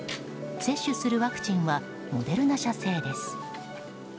接種するワクチンはモデルナ社製です。